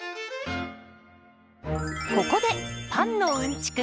ここでパンのうんちく